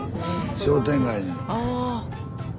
商店街に。